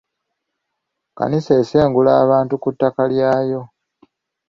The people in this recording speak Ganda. Kkanisa esengula abantu ku ttaka lyayo.